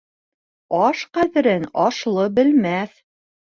Аш ҡәҙерен ашлы белмәҫ.